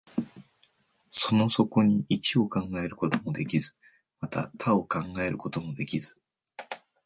その底に一を考えることもできず、また多を考えることもできず、